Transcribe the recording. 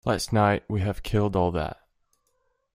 Last night will have killed all that.